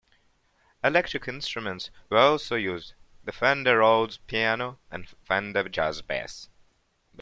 Electric instruments were also used, the Fender Rhodes piano and Fender Jazz Bass.